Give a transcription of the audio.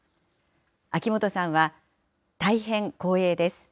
秋元さんは、大変光栄です。